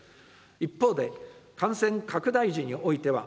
一方で、感染拡大時においては、